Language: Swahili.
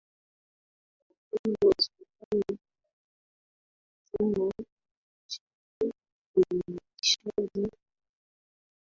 za upendo hospitali nyumba za mayatima ufundishaji uinjilishaji misheni